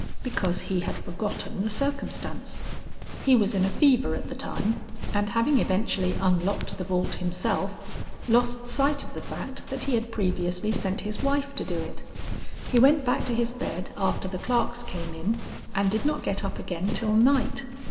"Because he had forgotten the circumstance. He was in a fever at the time, and having eventually unlocked the vault himself, lost sight of the fact that he had previously sent his wife to do it. He went back to his bed after the clerks came in, and did not get up again till night.